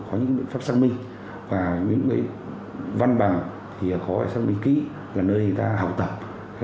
có những biện pháp sang minh và những cái văn bằng thì có sang minh ký là nơi người ta học tập